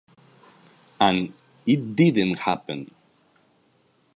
And it didn't happen.